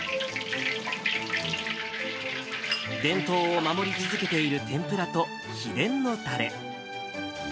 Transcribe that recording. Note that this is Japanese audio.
伝統を守り続けている天ぷらと秘伝のたれ。